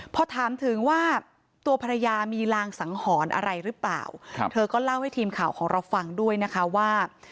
พอถามถึงว่าตัวภรรยามีรางสังหรณ์อะไรหรือเปล่าเธอก็เล่าให้ทีมข่าวของเราฟังด้วยนะคะว่า